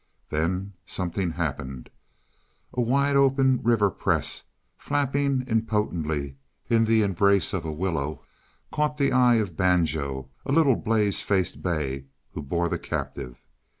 Then something happened. A wide open River Press, flapping impotently in the embrace of a willow, caught the eye of Banjo, a little blaze faced bay who bore the captive.